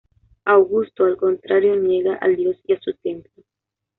Augusto, al contrario, niega al dios y a su templo.